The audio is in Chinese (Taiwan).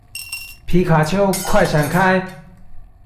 皮卡丘，快閃開